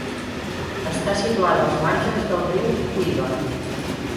Està situada als marges del riu Huyva.